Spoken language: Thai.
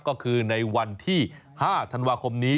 ก็คือในวันที่๕ธันวาคมนี้